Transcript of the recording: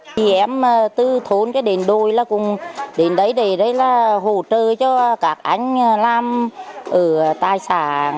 chị em từ thôn đến đồi là cũng đến đấy để đây là hỗ trợ cho các anh làm tài sản